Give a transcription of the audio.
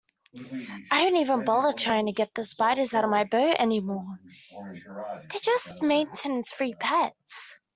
I don't even bother trying to get spiders out of my boat anymore, they're just maintenance-free pets.